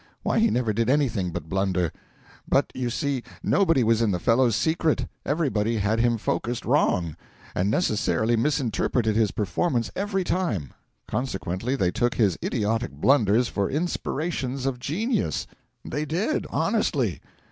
why, he never did anything but blunder. But, you see, nobody was in the fellow's secret everybody had him focused wrong, and necessarily misinterpreted his performance every time consequently they took his idiotic blunders for inspirations of genius; they did honestly!